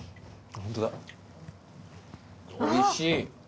おいしい！